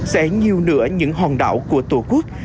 sẽ nhiều nữa những hòn đảo của tổ quốc